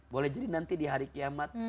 boleh jadi nanti di hari kiamat